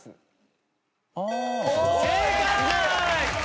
正解！